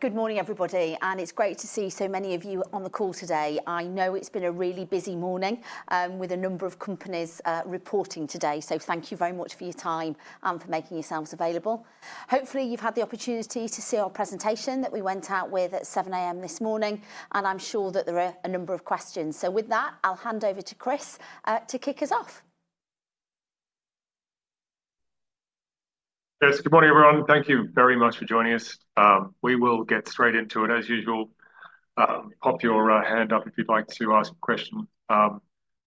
Good morning, everybody, and it is great to see so many of you on the call today. I know it has been a really busy morning with a number of companies reporting today, so thank you very much for your time and for making yourselves available. Hopefully, you have had the opportunity to see our presentation that we went out with at 7:00 A.M. this morning, and I am sure that there are a number of questions. With that, I will hand over to Chris to kick us off. Yes, good morning, everyone. Thank you very much for joining us. We will get straight into it, as usual. Pop your hand up if you'd like to ask a question.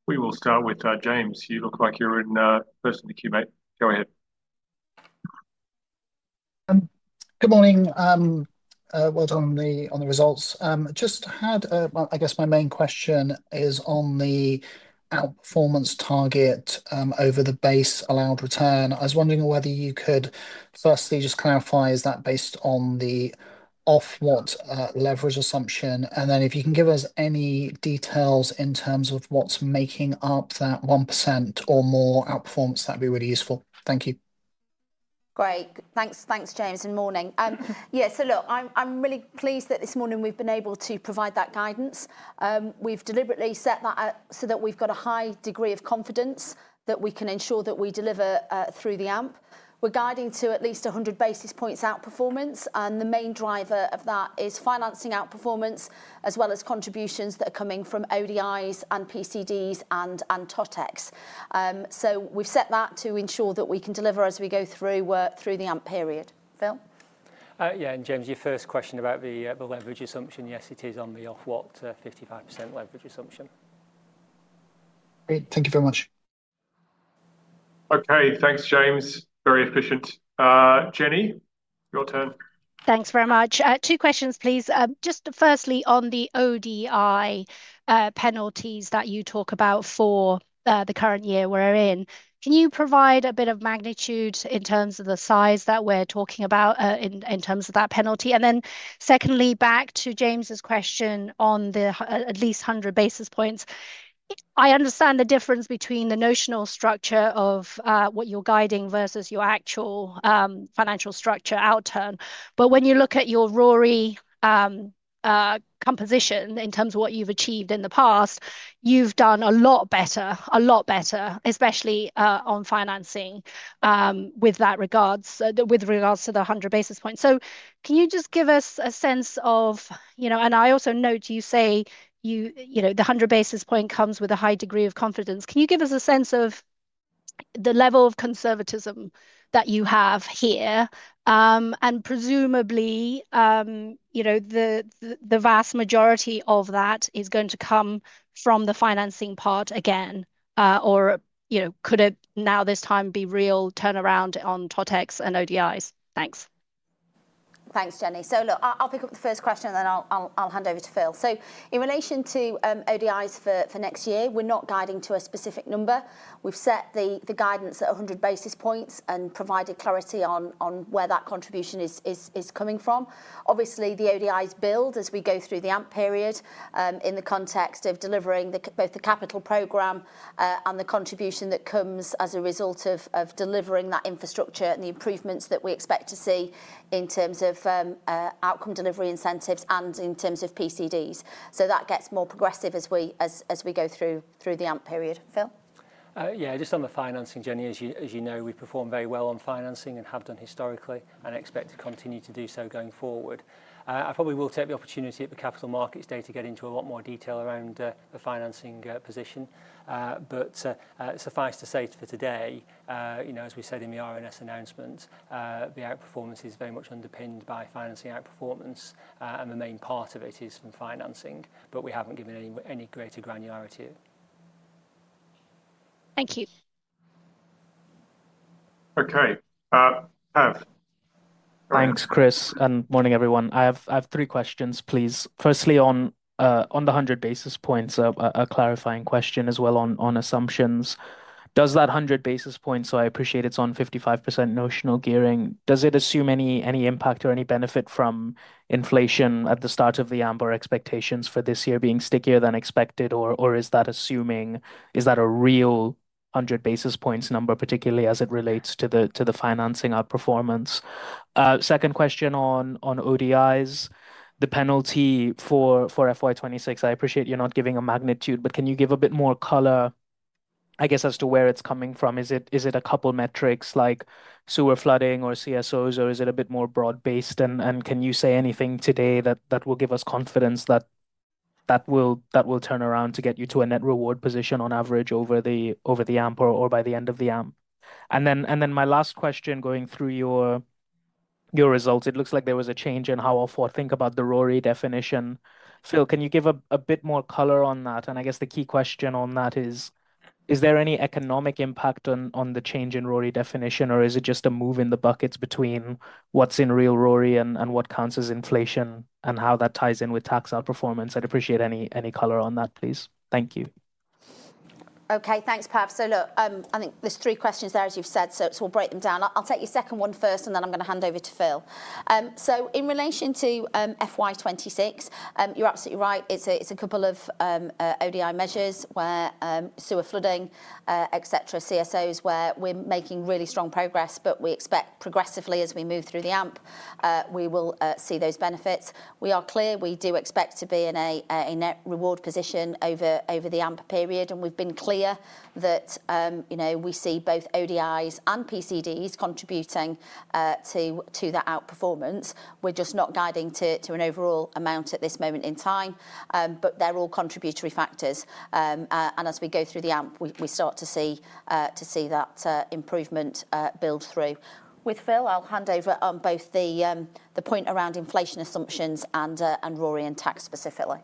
We will start with James. You look like you're in the first in the queue, mate. Go ahead. Good morning. On the results, just had, I guess my main question is on the outperformance target over the base allowed return. I was wondering whether you could firstly just clarify, is that based on the Ofwat leverage assumption? If you can give us any details in terms of what's making up that 1% or more outperformance, that'd be really useful. Thank you. Great. Thanks, James. And morning. Yeah, so look, I'm really pleased that this morning we've been able to provide that guidance. We've deliberately set that up so that we've got a high degree of confidence that we can ensure that we deliver through the AMP. We're guiding to at least 100 basis points outperformance, and the main driver of that is financing outperformance as well as contributions that are coming from ODIs and PCDS and TOTEX. We've set that to ensure that we can deliver as we go through the AMP period. Phil? Yeah, and James, your first question about the leverage assumption, yes, it is on the Ofwat 55% leverage assumption. Great. Thank you very much. Okay, thanks, James. Very efficient. Jenny, your turn. Thanks very much. Two questions, please. Just firstly, on the ODI penalties that you talk about for the current year we're in, can you provide a bit of magnitude in terms of the size that we're talking about in terms of that penalty? Secondly, back to James's question on the at least 100 basis points. I understand the difference between the notional structure of what you're guiding versus your actual financial structure outturn. When you look at your RORI composition in terms of what you've achieved in the past, you've done a lot better, a lot better, especially on financing with that regards, with regards to the 100 basis points. Can you just give us a sense of, you know, and I also note you say, you know, the 100 basis point comes with a high degree of confidence. Can you give us a sense of the level of conservatism that you have here? Presumably, you know, the vast majority of that is going to come from the financing part again, or, you know, could it now this time be real turnaround on TOTEX and ODIs? Thanks. Thanks, Jenny. Look, I'll pick up the first question, and then I'll hand over to Phil. In relation to ODIs for next year, we're not guiding to a specific number. We've set the guidance at 100 basis points and provided clarity on where that contribution is coming from. Obviously, the ODIs build as we go through the AMP period in the context of delivering both the capital program and the contribution that comes as a result of delivering that infrastructure and the improvements that we expect to see in terms of outcome delivery incentives and in terms of PCDs. That gets more progressive as we go through the AMP period. Phil? Yeah, just on the financing, Jenny, as you know, we perform very well on financing and have done historically and expect to continue to do so going forward. I probably will take the opportunity at the capital markets day to get into a lot more detail around the financing position. Suffice to say for today, you know, as we said in the R&S announcement, the out-performance is very much underpinned by financing out-performance, and the main part of it is from financing. We have not given any greater granularity to it. Thank you. Okay. Thanks, Chris. Morning, everyone. I have three questions, please. Firstly, on the 100 basis points, a clarifying question as well on assumptions. Does that 100 basis points, I appreciate it is on 55% notional gearing, does it assume any impact or any benefit from inflation at the start of the AMP or expectations for this year being stickier than expected, or is that assuming, is that a real 100 basis points number, particularly as it relates to the financing outperformance? Second question on ODIs, the penalty for FY 2026, I appreciate you are not giving a magnitude, but can you give a bit more color, I guess, as to where it is coming from? Is it a couple of metrics like sewer flooding or CSOs, or is it a bit more broad-based? Can you say anything today that will give us confidence that will turn around to get you to a net reward position on average over the AMP or by the end of the AMP? My last question, going through your results, it looks like there was a change in how Ofwat think about the RORI definition. Phil, can you give a bit more color on that? I guess the key question on that is, is there any economic impact on the change in RORI definition, or is it just a move in the buckets between what's in real RORI and what counts as inflation and how that ties in with tax out-performance? I'd appreciate any color on that, please. Thank you. Okay, thanks, Pab. I think there's three questions there, as you've said, so we'll break them down. I'll take your second one first, and then I'm going to hand over to Phil. In relation to FY 26, you're absolutely right. It's a couple of ODI measures where sewer flooding, etc., CSOs where we're making really strong progress, but we expect progressively as we move through the AMP, we will see those benefits. We are clear we do expect to be in a net reward position over the AMP period, and we've been clear that we see both ODIs and PCDS contributing to that out-performance. We're just not guiding to an overall amount at this moment in time, but they're all contributory factors. As we go through the AMP, we start to see that improvement build through. With Phil, I'll hand over on both the point around inflation assumptions and RORI and tax specifically.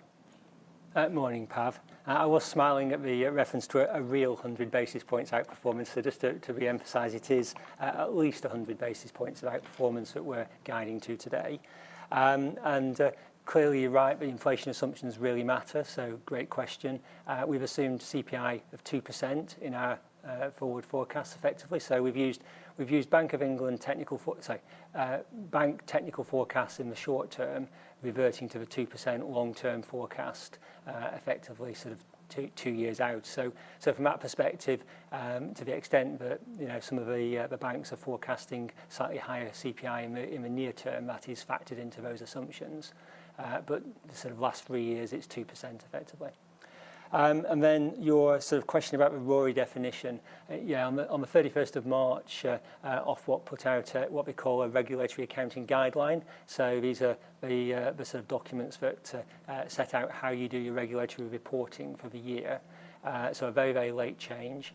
Morning, Pab. I was smiling at the reference to a real 100 basis points out-performance. Just to reemphasize, it is at least 100 basis points of out-performance that we are guiding to today. Clearly, you are right, the inflation assumptions really matter. Great question. We have assumed CPI of 2% in our forward forecast effectively. We have used Bank of England technical, sorry, bank technical forecasts in the short term, reverting to the 2% long-term forecast effectively sort of two years out. From that perspective, to the extent that some of the banks are forecasting slightly higher CPI in the near term, that is factored into those assumptions. The sort of last three years, it is 2% effectively. Your sort of question about the RORI definition, yeah, on the 31st of March, Ofwat put out what we call a regulatory accounting guideline. These are the sort of documents that set out how you do your regulatory reporting for the year. A very, very late change.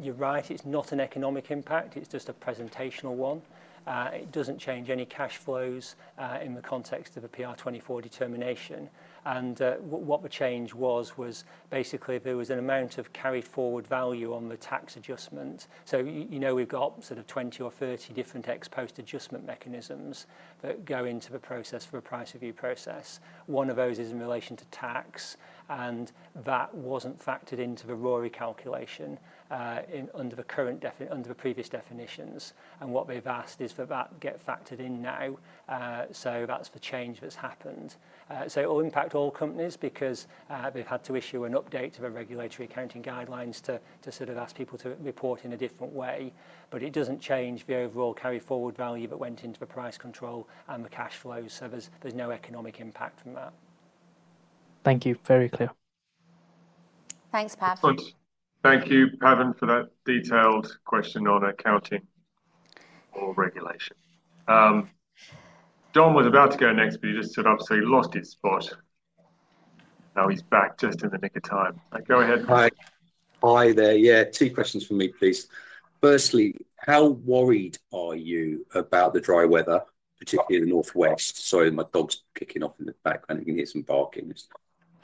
You're right, it's not an economic impact, it's just a presentational one. It doesn't change any cash flows in the context of a determination. What the change was, was basically there was an amount of carried forward value on the tax adjustment. You know we've got sort of 20 or 30 different ex post adjustment mechanisms that go into the process for a price review process. One of those is in relation to tax, and that wasn't factored into the RORI calculation under the previous definitions. What they've asked is for that to get factored in now. That's the change that's happened. It will impact all companies because they've had to issue an update to the regulatory accounting guidelines to sort of ask people to report in a different way. It doesn't change the overall carry forward value that went into the price control and the cash flows. There's no economic impact from that. Thank you. Very clear. Thanks, Pab. Thank you, Pab, for that detailed question on accounting or regulation. John was about to go next, but he just sort of absolutely lost his spot. Now he's back just in the nick of time. Go ahead. Hi, there. Yeah, two questions for me, please. Firstly, how worried are you about the dry weather, particularly the North West? Sorry, my dog's kicking off in the background. You can hear some barking.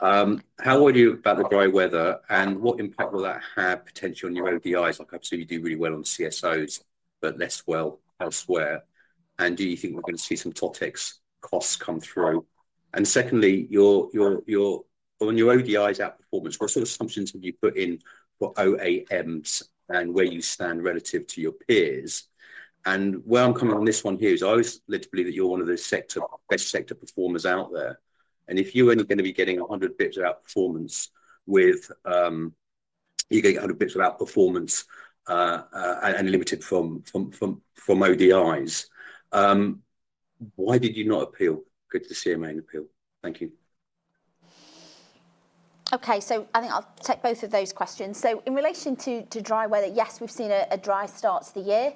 How worried are you about the dry weather, and what impact will that have potentially on your ODIs? Like I've seen you do really well on CSOs, but less well elsewhere. Do you think we're going to see some TOTEX costs come through? Secondly, on your ODIs outperformance, what sort of assumptions have you put in for OAMS and where you stand relative to your peers? Where I'm coming on this one here is I always like to believe that you're one of the best sector performers out there. If you're only going to be getting 100 basis points of out-performance, with, you're going to get 100 basis points of out-performance and limited from ODIs, why did you not appeal? Good to see a main appeal. Thank you. Okay, I think I'll take both of those questions. In relation to dry weather, yes, we've seen a dry start to the year.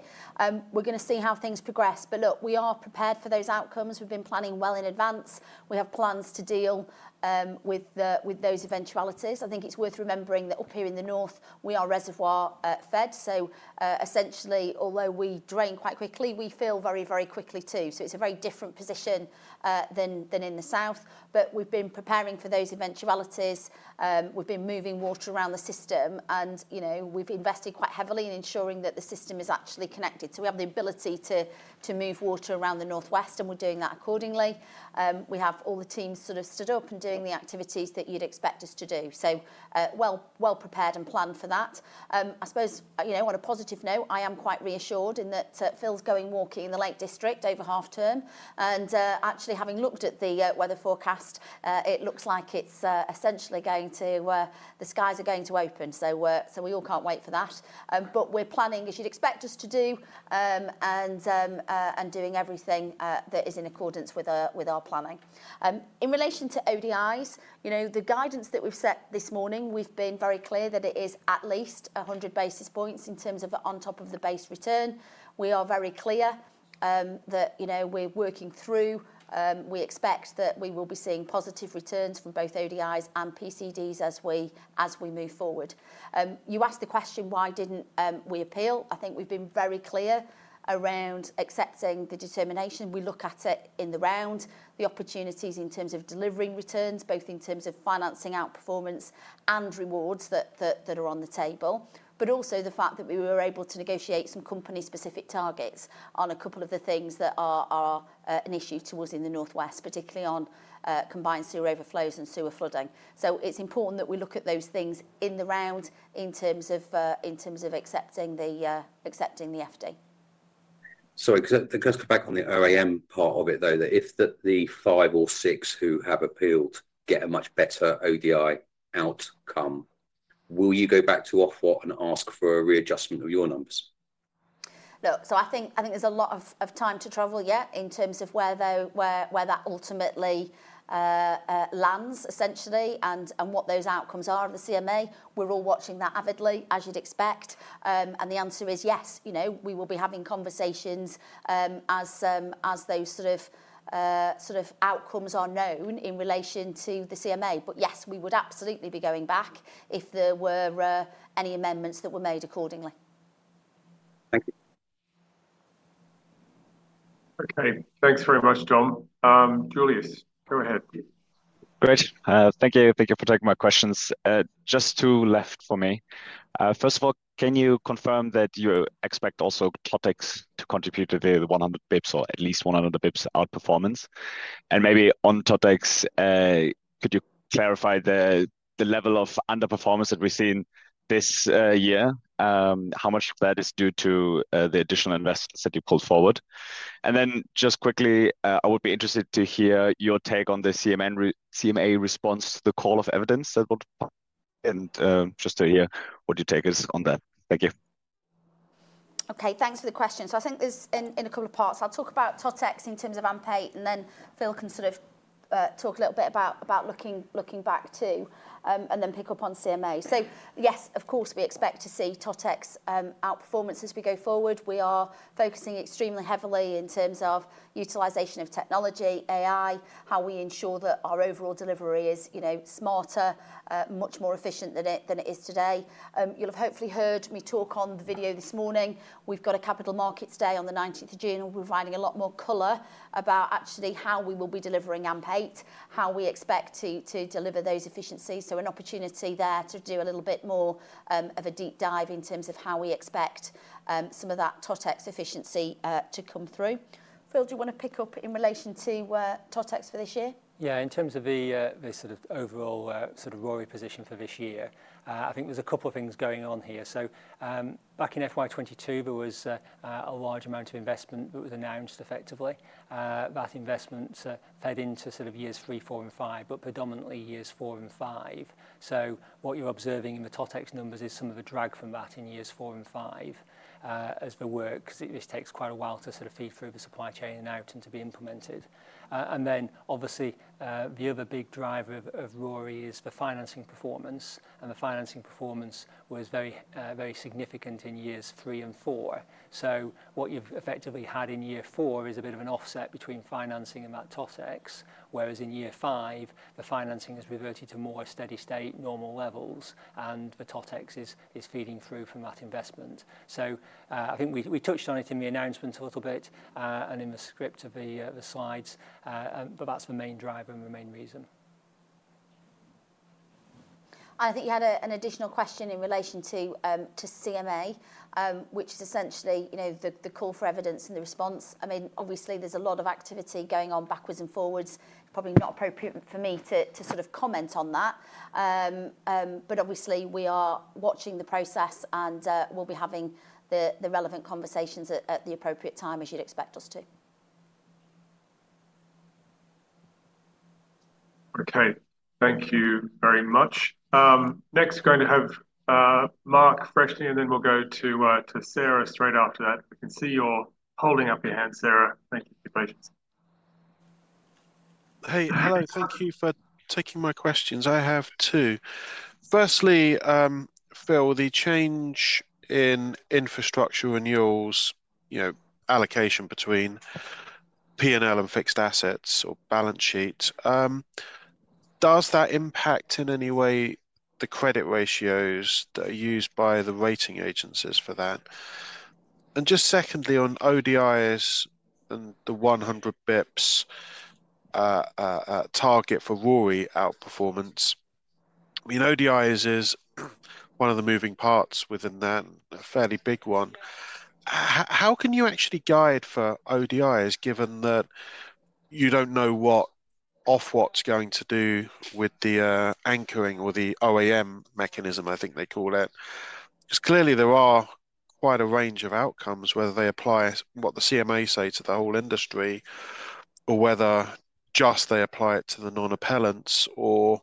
We're going to see how things progress. Look, we are prepared for those outcomes. We've been planning well in advance. We have plans to deal with those eventualities. I think it's worth remembering that up here in the North West, we are reservoir-fed. Essentially, although we drain quite quickly, we fill very, very quickly too. It's a very different position than in the South. We've been preparing for those eventualities. We've been moving water around the system. We've invested quite heavily in ensuring that the system is actually connected. We have the ability to move water around the North West, and we're doing that accordingly. We have all the teams sort of stood up and doing the activities that you'd expect us to do. So well prepared and planned for that. I suppose, you know, on a positive note, I am quite reassured in that Phil's going walking in the Lake District over half-term. And actually, having looked at the weather forecast, it looks like it's essentially going to, the skies are going to open. So we all can't wait for that. But we're planning as you'd expect us to do and doing everything that is in accordance with our planning. In relation to ODIs, you know, the guidance that we've set this morning, we've been very clear that it is at least 100 basis points in terms of on top of the base return. We are very clear that, you know, we're working through. We expect that we will be seeing positive returns from both ODIs and PCDS as we move forward. You asked the question, why didn't we appeal? I think we've been very clear around accepting the determination. We look at it in the round, the opportunities in terms of delivering returns, both in terms of financing our performance and rewards that are on the table, but also the fact that we were able to negotiate some company-specific targets on a couple of the things that are an issue towards in the North West, particularly on combined sewer overflows and sewer flooding. It is important that we look at those things in the round in terms of accepting the FD. Sorry, just to come back on the OAM part of it, though, that if the five or six who have appealed get a much better ODI outcome, will you go back to Ofwat and ask for a re-adjustment of your numbers? Look, so I think there's a lot of time to travel yet in terms of where that ultimately lands, essentially, and what those outcomes are of the CMA. We're all watching that avidly, as you'd expect. The answer is yes. You know, we will be having conversations as those sort of outcomes are known in relation to the CMA. Yes, we would absolutely be going back if there were any amendments that were made accordingly. Thank you. Okay, thanks very much, John. Julius, go ahead. Great. Thank you, Peter, for taking my questions. Just two left for me. First of all, can you confirm that you expect also TOTEX to contribute to the 100 basis points or at least 100 basis points out-performance? On TOTEX, could you clarify the level of under-performance that we've seen this year? How much of that is due to the additional investments that you pulled forward? I would be interested to hear your take on the CMA response to the call of evidence that will. Just to hear what your take is on that. Thank you. Okay, thanks for the question. I think there's in a couple of parts, I'll talk about TOTEX in terms of AMP8, and then Phil can sort of talk a little bit about looking back too, and then pick up on CMA. Yes, of course, we expect to see TOTEX out-performance as we go forward. We are focusing extremely heavily in terms of utilization of technology, AI, how we ensure that our overall delivery is smarter, much more efficient than it is today. You'll have hopefully heard me talk on the video this morning. We've got a capital markets day on the 19th of June. We're writing a lot more color about actually how we will be delivering AMP8, how we expect to deliver those efficiencies. An opportunity there to do a little bit more of a deep dive in terms of how we expect some of that TOTEX efficiency to come through. Phil, do you want to pick up in relation to TOTEX for this year? Yeah, in terms of the sort of overall sort of RORI position for this year, I think there's a couple of things going on here. Back in FY 2022, there was a large amount of investment that was announced effectively. That investment fed into years three, four, and five, but predominantly years four and five. What you're observing in the TOTEX numbers is some of the drag from that in years four and five as they work, because this takes quite a while to feed through the supply chain and out and to be implemented. Obviously, the other big driver of RORI is the financing performance. The financing performance was very significant in years three and four. What you've effectively had in year four is a bit of an offset between financing and that TOTEX, whereas in year five, the financing has reverted to more steady state normal levels, and the TOTEX is feeding through from that investment. I think we touched on it in the announcement a little bit and in the script of the slides, but that's the main driver and the main reason. I think you had an additional question in relation to CMA, which is essentially the call for evidence and the response. I mean, obviously, there's a lot of activity going on backwards and forwards. Probably not appropriate for me to sort of comment on that. Obviously, we are watching the process, and we'll be having the relevant conversations at the appropriate time, as you'd expect us to. Okay, thank you very much. Next, we're going to have Mark freshly, and then we'll go to Sarah straight after that. I can see you're holding up your hand, Sarah. Thank you for your patience. Hey, hello, thank you for taking my questions. I have two. Firstly, Phil, the change in infrastructure renewals allocation between P&L and fixed assets or balance sheet, does that impact in any way the credit ratios that are used by the rating agencies for that? Just secondly, on ODIs and the 100 basis points target for RORI out-performance, I mean, ODIs is one of the moving parts within that, a fairly big one. How can you actually guide for ODIs, given that you do not know what Ofwat is going to do with the anchoring or the OAM mechanism, I think they call it? Because clearly, there are quite a range of outcomes, whether they apply what the CMA say to the whole industry, or whether just they apply it to the non-appellants, or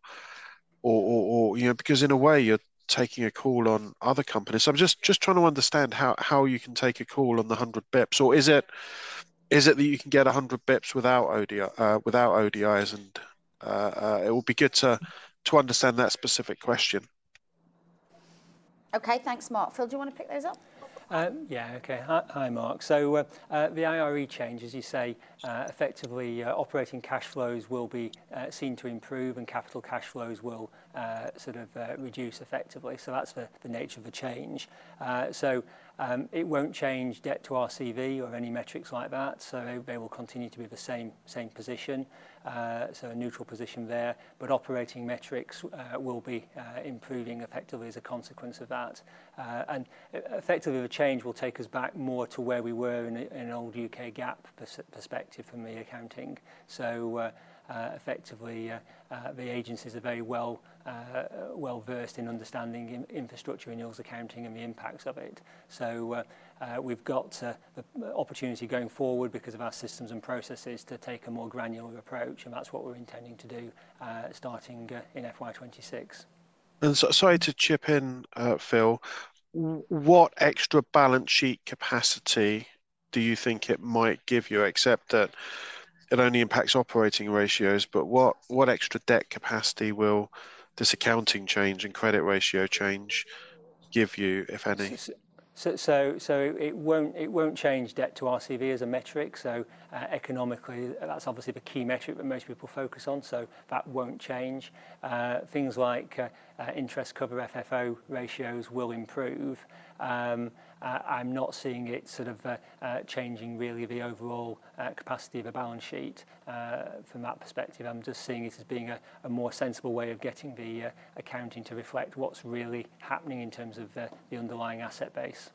because in a way, you are taking a call on other companies. I'm just trying to understand how you can take a call on the 100 basis points. Or is it that you can get 100 basis points without ODIs? It would be good to understand that specific question. Okay, thanks, Mark. Phil, do you want to pick those up? Yeah, okay. Hi, Mark. The IRE change, as you say, effectively operating cash flows will be seen to improve, and capital cash flows will sort of reduce effectively. That is the nature of the change. It will not change debt to RCV or any metrics like that. They will continue to be the same position, a neutral position there. Operating metrics will be improving effectively as a consequence of that. Effectively, the change will take us back more to where we were in an old U.K. GAAP perspective from the accounting. The agencies are very well versed in understanding infrastructure renewals accounting and the impacts of it. We have the opportunity going forward because of our systems and processes to take a more granular approach. That is what we are intending to do starting in FY2026. Sorry to chip in, Phil. What extra balance sheet capacity do you think it might give you, except that it only impacts operating ratios? What extra debt capacity will this accounting change and credit ratio change give you, if any? It won't change debt to RCV as a metric. Economically, that's obviously the key metric that most people focus on. That won't change. Things like interest cover FFO ratios will improve. I'm not seeing it sort of changing really the overall capacity of a balance sheet from that perspective. I'm just seeing it as being a more sensible way of getting the accounting to reflect what's really happening in terms of the underlying asset base.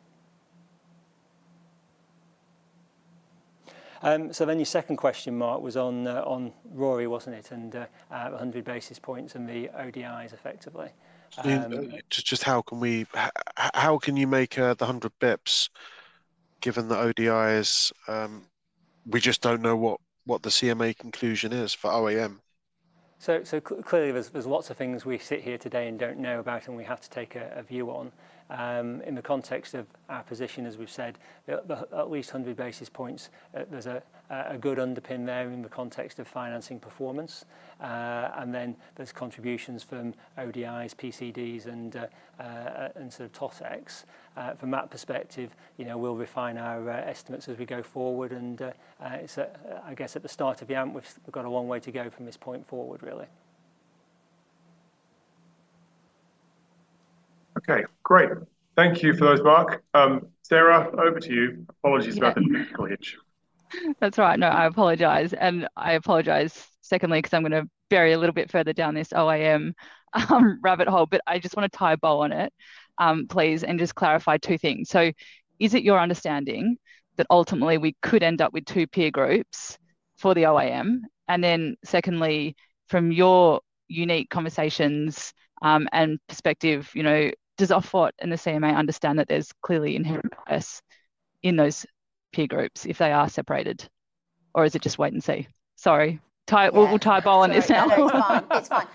Your second question, Mark, was on RORI, wasn't it? And 100 basis points and the ODIs effectively. Just how can you make the 100 basis points given the ODIs? We just don't know what the CMA conclusion is for OAM. Clearly, there's lots of things we sit here today and don't know about and we have to take a view on. In the context of our position, as we've said, at least 100 basis points, there's a good underpin there in the context of financing performance. Then there's contributions from ODIs, PCDs, and sort of TOTEX. From that perspective, we'll refine our estimates as we go forward. I guess at the start of the AMP, we've got a one way to go from this point forward, really. Okay, great. Thank you for those, Mark. Sarah, over to you. Apologies about the technical hitch. That's all right. No, I apologize. And I apologize secondly, because I'm going to bury a little bit further down this OAM rabbit hole. I just want to tie a bow on it, please, and just clarify two things. Is it your understanding that ultimately we could end up with two peer groups for the OAM? Secondly, from your unique conversations and perspective, does Ofwat and the CMA understand that there's clearly inherent bias in those peer groups if they are separated? Or is it just wait and see? Sorry. We'll tie a bow on this now. It's fine. It's fine.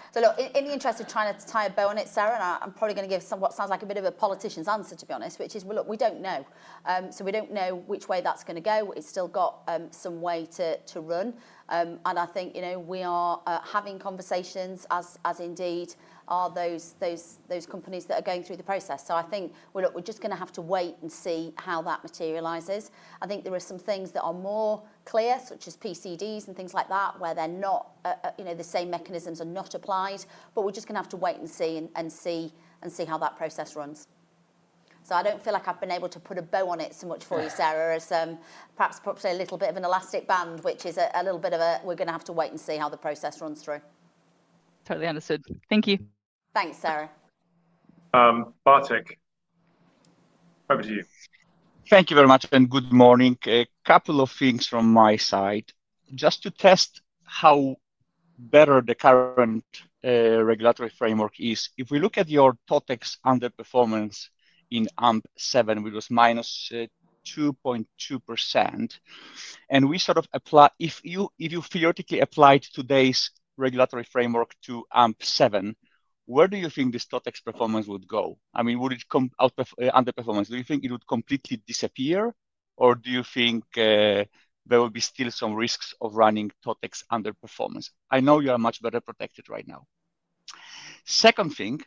In the interest of trying to tie a bow on it, Sarah, I'm probably going to give what sounds like a bit of a politician's answer, to be honest, which is, we don't know. We don't know which way that's going to go. It's still got some way to run. I think we are having conversations as indeed are those companies that are going through the process. I think we're just going to have to wait and see how that materializes. I think there are some things that are more clear, such as PCDs and things like that, where they're not, the same mechanisms are not applied. We're just going to have to wait and see and see how that process runs. I don't feel like I've been able to put a bow on it so much for you, Sarah, as perhaps a little bit of an elastic band, which is a little bit of a, we're going to have to wait and see how the process runs through. Totally understood. Thank you. Thanks, Sarah. Bartek, over to you. Thank you very much and good morning. A couple of things from my side. Just to test how better the current regulatory framework is, if we look at your TOTEX under-performance in AMP7, which was -2.2%, and we sort of apply, if you theoretically applied today's regulatory framework to AMP7, where do you think this TOTEX performance would go? I mean, would it come out of under-performance? Do you think it would completely disappear? Or do you think there will be still some risks of running TOTEX under-performance? I know you are much better protected right now. Second thing,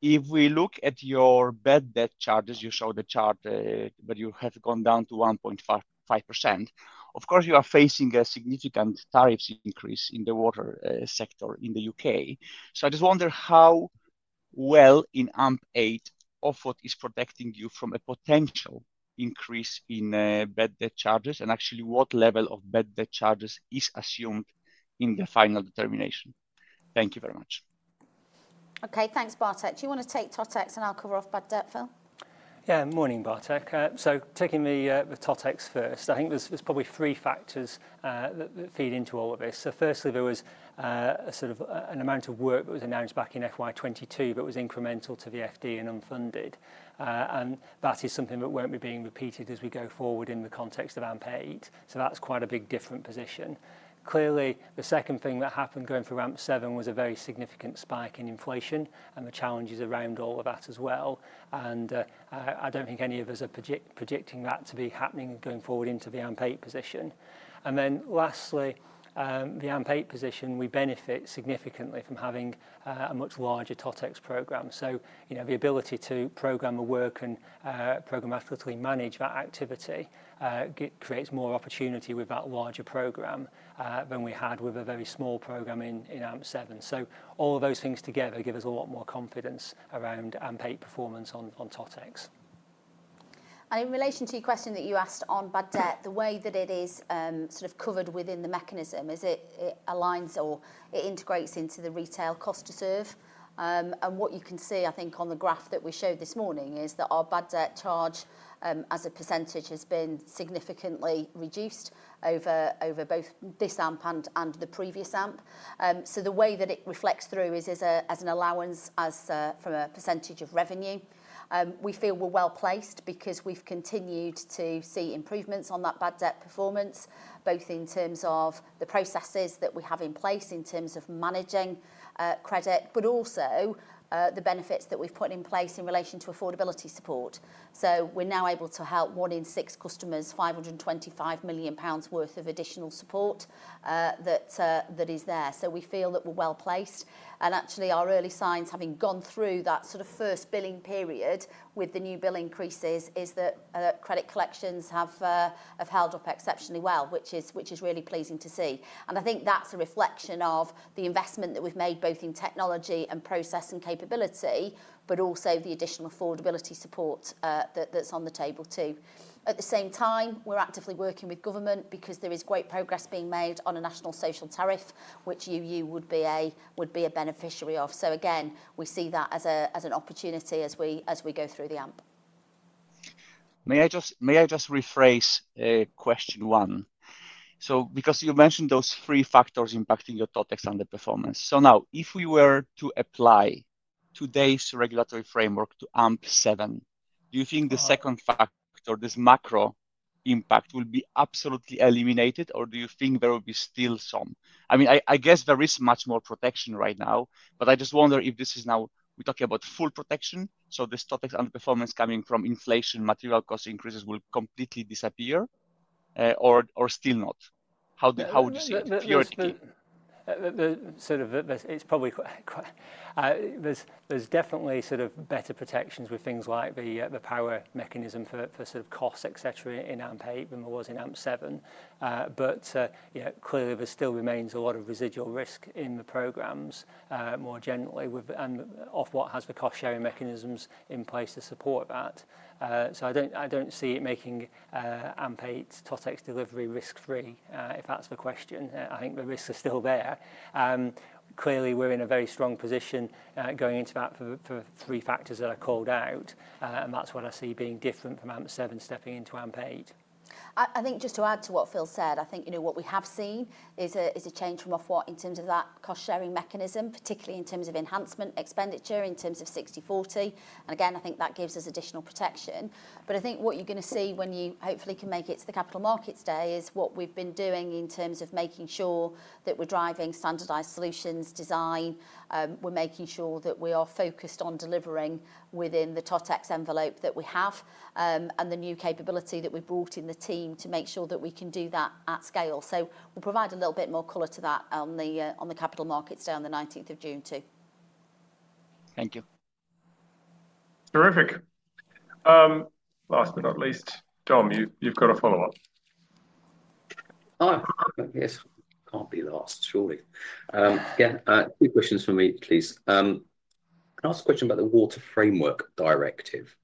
if we look at your bad debt charges, you show the chart, but you have gone down to 1.5%. Of course, you are facing a significant tariffs increase in the water sector in the UK. I just wonder how well in AMP8 Ofwat is protecting you from a potential increase in bad debt charges, and actually what level of bad debt charges is assumed in the final determination? Thank you very much. Okay, thanks, Bartek. Do you want to take TOTEX and I'll cover off bad debt, Phil? Yeah, morning, Bartek. Taking the TOTEX first, I think there's probably three factors that feed into all of this. Firstly, there was an amount of work that was announced back in FY 2022, but it was incremental to the FD and unfunded. That is something that will not be repeated as we go forward in the context of AMP8. That is quite a big different position. Clearly, the second thing that happened going through AMP7 was a very significant spike in inflation and the challenges around all of that as well. I do not think any of us are predicting that to be happening going forward into the AMP8 position. Lastly, the AMP8 position, we benefit significantly from having a much larger TOTEX program. The ability to program a work and programmatically manage that activity creates more opportunity with that larger program than we had with a very small program in AMP7. All of those things together give us a lot more confidence around AMP8 performance on TOTEX. In relation to your question that you asked on bad debt, the way that it is sort of covered within the mechanism is it aligns or it integrates into the retail cost to serve. What you can see, I think, on the graph that we showed this morning is that our bad debt charge as a % has been significantly reduced over both this AMP and the previous AMP. The way that it reflects through is as an allowance from a % of revenue. We feel we're well placed because we've continued to see improvements on that bad debt performance, both in terms of the processes that we have in place in terms of managing credit, but also the benefits that we've put in place in relation to affordability support. We're now able to help one in six customers, 525 million pounds worth of additional support that is there. We feel that we're well placed. Actually, our early signs having gone through that sort of first billing period with the new bill increases is that credit collections have held up exceptionally well, which is really pleasing to see. I think that's a reflection of the investment that we've made both in technology and process and capability, but also the additional affordability support that's on the table too. At the same time, we're actively working with government because there is great progress being made on a national social tariff, which United Utilities would be a beneficiary of. Again, we see that as an opportunity as we go through the AMP. May I just rephrase question one? Because you mentioned those three factors impacting your TOTEX under-performance. Now, if we were to apply today's regulatory framework to AMP7, do you think the second factor, this macro impact, will be absolutely eliminated, or do you think there will be still some? I mean, I guess there is much more protection right now, but I just wonder if this is now, we're talking about full protection. This TOTEX underperformance coming from inflation, material cost increases will completely disappear, or still not? How would you see it? Sort of, it's probably quite, there's definitely sort of better protections with things like the power mechanism for sort of costs, etc., in AMP8 than there was in AMP7. Clearly, there still remains a lot of residual risk in the programs more generally and Ofwat has the cost sharing mechanisms in place to support that. I don't see it making AMP8's TOTEX delivery risk-free, if that's the question. I think the risks are still there. Clearly, we're in a very strong position going into that for three factors that are called out. That's what I see being different from AMP7 stepping into AMP8. I think just to add to what Phil said, I think what we have seen is a change from Ofwat in terms of that cost sharing mechanism, particularly in terms of enhancement expenditure in terms of 60-40. I think that gives us additional protection. I think what you're going to see when you hopefully can make it to the capital markets day is what we've been doing in terms of making sure that we're driving standardized solutions design. We're making sure that we are focused on delivering within the TOTEX envelope that we have and the new capability that we've brought in the team to make sure that we can do that at scale. We will provide a little bit more color to that on the capital markets day on the 19th of June too. Thank you. Terrific. Last but not least, Dom, you've got a follow-up. Hi. Yes, can't be last, surely. Yeah, two questions for me, please. Last question about the Water Framework Directive,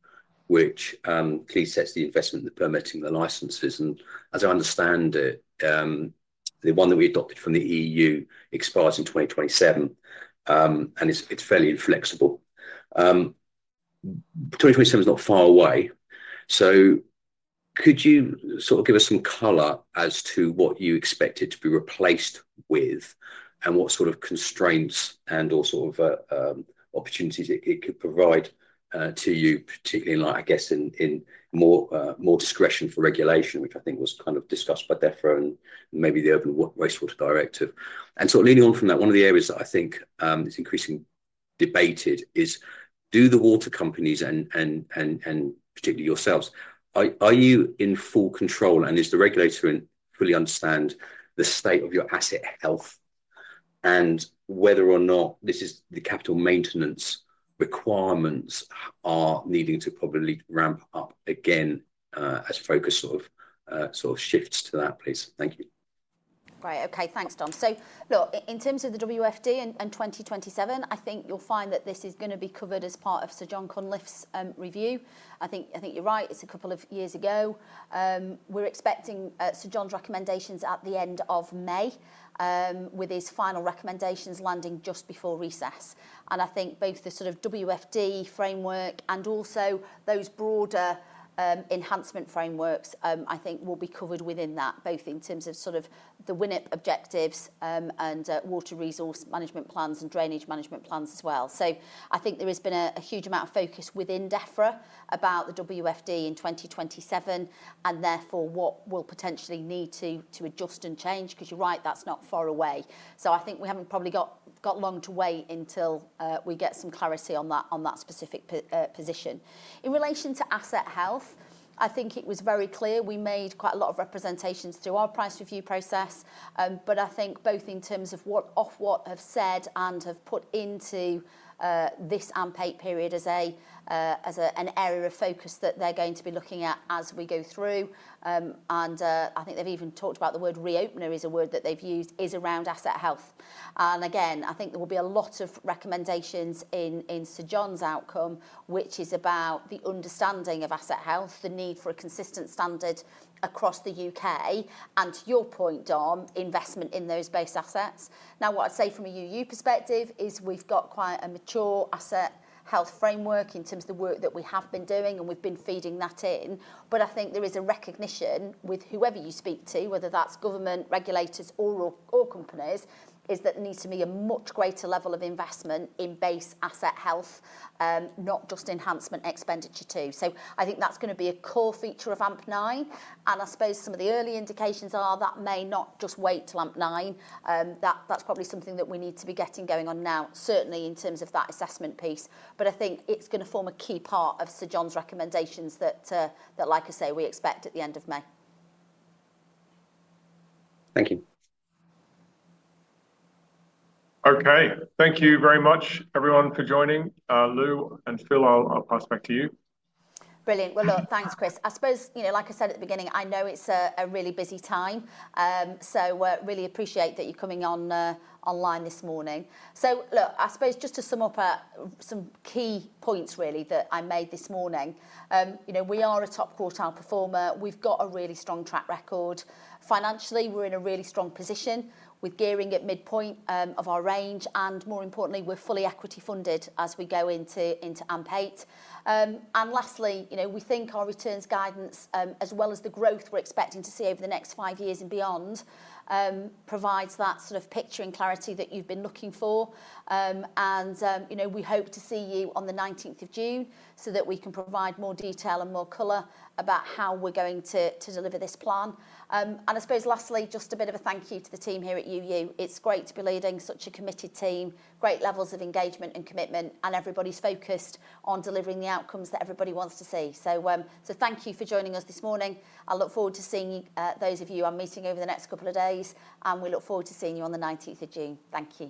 which clearly sets the investment permitting the licenses. And as I understand it, the one that we adopted from the EU expires in 2027, and it's fairly inflexible. 2027 is not far away. Could you sort of give us some color as to what you expect it to be replaced with and what sort of constraints and also opportunities it could provide to you, particularly in, I guess, in more discretion for regulation, which I think was kind of discussed by DEFRA and maybe the open wastewater directive. Leaning on from that, one of the areas that I think is increasingly debated is, do the water companies and particularly yourselves, are you in full control? Is the regulator fully understanding the state of your asset health and whether or not the capital maintenance requirements are needing to probably ramp up again as focus sort of shifts to that place? Thank you. Right. Okay, thanks, Dom. Look, in terms of the WFD and 2027, I think you'll find that this is going to be covered as part of Sir John Conliff's review. I think you're right. It's a couple of years ago. We're expecting Sir John's recommendations at the end of May with his final recommendations landing just before recess. I think both the sort of WFD framework and also those broader enhancement frameworks, I think will be covered within that, both in terms of the WINIP objectives and water resource management plans and drainage management plans as well. I think there has been a huge amount of focus within DEFRA about the WFD in 2027 and therefore what we'll potentially need to adjust and change, because you're right, that's not far away. I think we have not probably got long to wait until we get some clarity on that specific position. In relation to asset health, I think it was very clear we made quite a lot of representations through our price review process. I think both in terms of what Ofwat have said and have put into this AMP8 period as an area of focus that they are going to be looking at as we go through. I think they have even talked about the word re-opener is a word that they have used is around asset health. Again, I think there will be a lot of recommendations in Sir John's outcome, which is about the understanding of asset health, the need for a consistent standard across the U.K., and to your point, Dom, investment in those based assets. Now, what I'd say from a UU perspective is we've got quite a mature asset health framework in terms of the work that we have been doing, and we've been feeding that in. I think there is a recognition with whoever you speak to, whether that's government, regulators, or companies, is that there needs to be a much greater level of investment in base asset health, not just enhancement expenditure too. I think that's going to be a core feature of AMP9. I suppose some of the early indications are that may not just wait till AMP9. That's probably something that we need to be getting going on now, certainly in terms of that assessment piece. I think it's going to form a key part of Sir John's recommendations that, like I say, we expect at the end of May. Thank you. Okay, thank you very much, everyone, for joining. Lou and Phil, I'll pass back to you. Brilliant. Thanks, Chris. I suppose, like I said at the beginning, I know it's a really busy time. I really appreciate that you're coming online this morning. I suppose just to sum up some key points that I made this morning, we are a top quartile performer. We've got a really strong track record. Financially, we're in a really strong position. We're gearing at midpoint of our range. More importantly, we're fully equity funded as we go into AMP8. Lastly, we think our returns guidance, as well as the growth we're expecting to see over the next five years and beyond, provides that sort of picture and clarity that you've been looking for. We hope to see you on the 19th of June so that we can provide more detail and more color about how we're going to deliver this plan. I suppose lastly, just a bit of a thank you to the team here at UU. It's great to be leading such a committed team, great levels of engagement and commitment, and everybody's focused on delivering the outcomes that everybody wants to see. Thank you for joining us this morning. I look forward to seeing those of you I'm meeting over the next couple of days, and we look forward to seeing you on the 19th of June. Thank you.